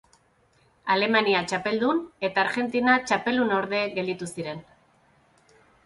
Alemania txapeldun eta Argentina txapeldunorde gelditu ziren.